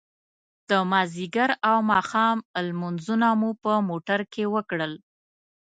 د ماذيګر او ماښام لمونځونه مو په موټر کې وکړل.